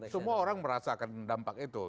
semua orang merasakan dampak itu